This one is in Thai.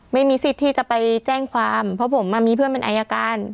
ไม่มีสิทธิ์ที่จะไปแจ้งความเพราะผมมีเพื่อนเป็นอายการ